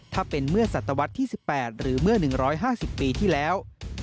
ถ้าเป็นเมื่อศตวรรษที่๑๘หรือเมื่อ๑๕๐ปีที่แล้ว